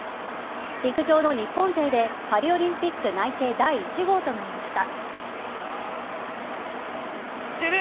陸上の日本勢でパリオリンピック内定第１号となりました。